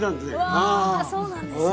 うわそうなんですね。